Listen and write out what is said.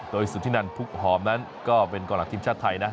โดยสุธินันพุกหอมนั้นก็เป็นกองหลักทีมชาติไทยนะ